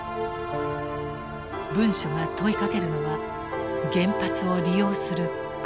文書が問いかけるのは原発を利用する国の覚悟です。